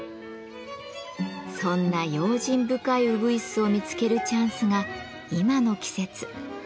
そんな用心深いうぐいすを見つけるチャンスが今の季節。